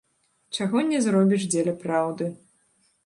Чаго не зробіш дзеля праўды.